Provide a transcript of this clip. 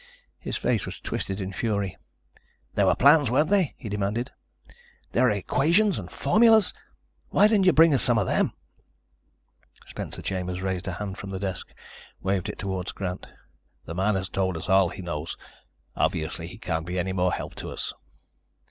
His face was twisted in fury. "There were plans, weren't there?" he demanded. "There were equations and formulas. Why didn't you bring us some of them?" Spencer Chambers raised a hand from the desk, waved it toward Grant. "The man has told us all he knows. Obviously, he can't be any more help to us."